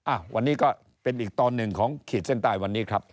อ่ะวันนี้ก็เป็นอีกตอนหนึ่งของขีดเส้นใต้วันนี้ครับ